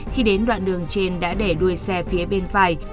khi đến đoạn đường trên đã để đuôi xe phía bên phải